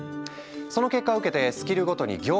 その結果を受けてスキルごとに業務を集約。